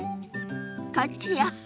こっちよ。